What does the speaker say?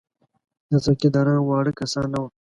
دا څوکیداران واړه کسان نه وو.